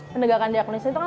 pendegakan diagnosi itu kan